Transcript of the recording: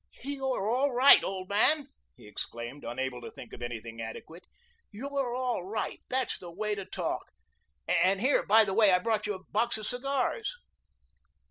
"You're all RIGHT, old man," he exclaimed, unable to think of anything adequate. "You're all right. That's the way to talk, and here, by the way, I brought you a box of cigars."